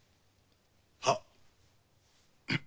はっ。